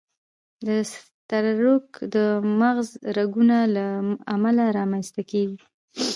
د سټروک د مغز رګونو له امله رامنځته کېږي.